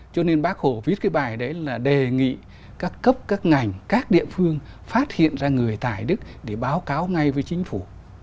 cho nên bác hồ viết cái bài đấy là đề nghị các cấp các ngành các địa phương phát hiện ra người tài đức để báo cáo ngay với chính phủ